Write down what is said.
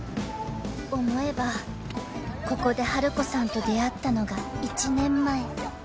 ［思えばここでハルコさんと出会ったのが１年前］